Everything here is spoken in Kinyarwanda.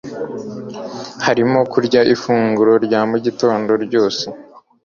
barimo kurya ifunguro rya mugitondo byose-